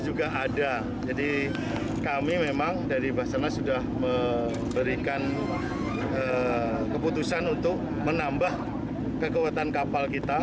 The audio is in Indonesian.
juga ada jadi kami memang dari basarnas sudah memberikan keputusan untuk menambah kekuatan kapal kita